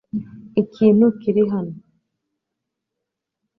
Ikintu kiri hano